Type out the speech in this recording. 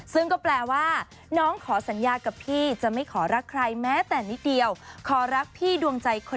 ซึ่งก็แปลว่า